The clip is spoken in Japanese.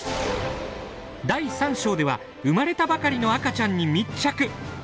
第３章では生まれたばかりの赤ちゃんに密着。